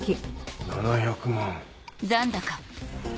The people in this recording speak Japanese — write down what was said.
７００万。